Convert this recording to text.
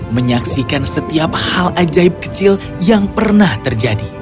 menyaksikan setiap hal ajaib kecil yang pernah terjadi